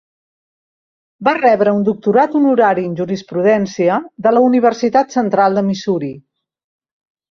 Va rebre un doctorat honorari en Jurisprudència de la Universitat Central de Missouri.